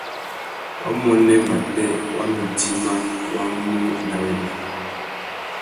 Wamuênê matê wa mà idjima wá mú nà wenda.